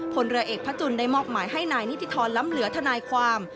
พลเรือเอกพระจุลได้มอบหมายให้นายนิติธรรมล้ำเหลือทนายความ